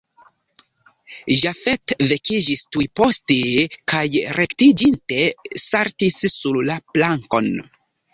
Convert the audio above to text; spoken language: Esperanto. Jafet vekiĝis tuj poste kaj rektiĝinte saltis sur la plankon.